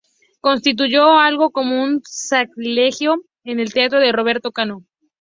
Constituyó algo como un sacrilegio en el teatro de Roberto Cano.